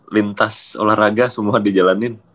lintas olahraga semua di jalanin